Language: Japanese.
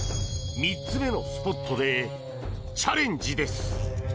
３つ目のスポットでチャレンジです。